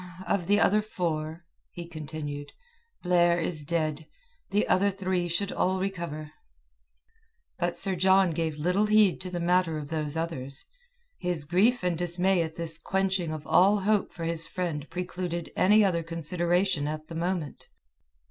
"Of the other four," he continued, "Blair is dead; the other three should all recover." But Sir John gave little heed to the matter of those others. His grief and dismay at this quenching of all hope for his friend precluded any other consideration at the moment.